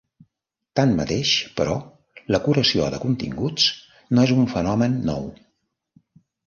Tanmateix, però, la curació de continguts no és un fenomen nou.